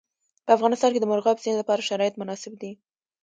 په افغانستان کې د مورغاب سیند لپاره شرایط مناسب دي.